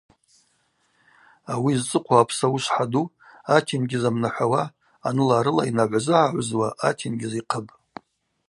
Ауи зцӏыхъву апсауышвхӏа ду атенгьыз амнахӏвауа, аныла-арыла йнагӏвзы-гӏагӏвзуа атенгьыз йхъыпӏ.